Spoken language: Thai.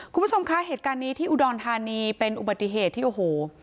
คุณผู้ชมคะเหตุการณ์นี้ที่อุดรธานีเป็นอุบัติเหตุที่โอ้โห